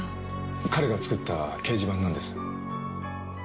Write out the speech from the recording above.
彼が作った掲示板なんです。